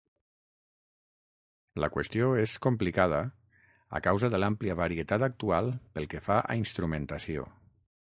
La qüestió és complicada a causa de l'àmplia varietat actual pel que fa a instrumentació.